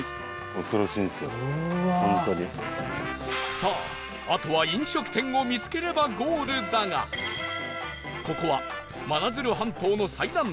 さああとは飲食店を見つければゴールだがここは真鶴半島の最南端